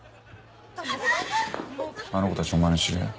あの子たちお前の知り合い？